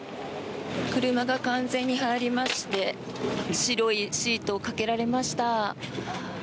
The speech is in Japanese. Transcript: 車が完全に入りまして白いシートをかけられました。